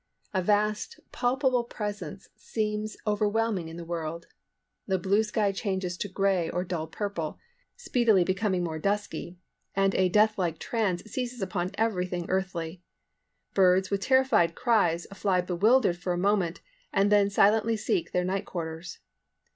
A vast, palpable presence seems overwhelming the world. The blue sky changes to gray or dull purple, speedily becoming more dusky, and a death like trance seizes upon everything earthly. Birds, with terrified cries, fly bewildered for a moment, and then silently seek their night quarters.